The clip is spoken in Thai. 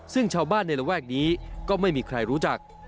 ซึ่งชาวบ้านในระแวกนี้ก็ไม่มีใครรู้จัก